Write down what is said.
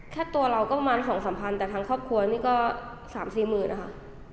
แค่ตัวเราก็ประมาณ๒๓พันแต่ทางครอบครัวนี่ก็๓๔๐๐๐นะคะ